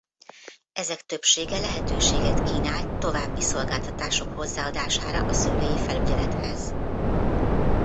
Ezek többsége lehetőséget kínál további szolgáltatások hozzáadására a szülői felügyelethez.